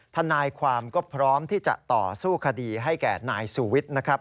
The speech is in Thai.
ทนายความก็พร้อมที่จะต่อสู้คดีให้แก่นายสูวิทย์นะครับ